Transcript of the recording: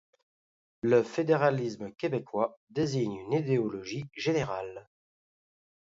Le fédéralisme québécois désigne une idéologie générale.